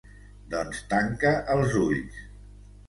Doncs tanca els ulls.